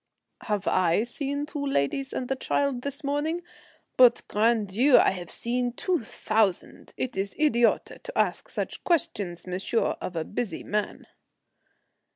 "Have I seen two ladies and a child this morning? But, grand Dieu, I have seen two thousand. It is idiote to ask such questions, monsieur, of a busy man."